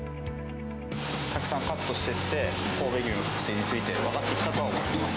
たくさんカットしてきて、神戸牛の特性について分かってきたとは思ってます。